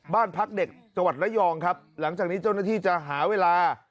บ้านพักเด็กจังหวัดระยองครับหลังจากนี้เจ้าหน้าที่จะหาเวลา